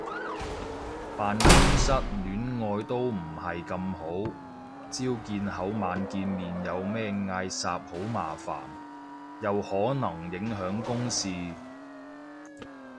辦公室戀愛都唔係咁好，朝見口晚見面有咩嗌霎好麻煩，又可能影響公事